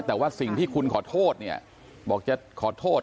แต่ว่าสิ่งที่คุณขอโทษเนี่ยบอกจะขอโทษ